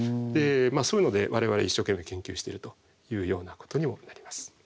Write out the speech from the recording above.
そういうので我々一生懸命研究してるというようなことにもなります。